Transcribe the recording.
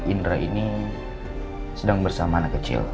indra ini sedang bersama anak kecil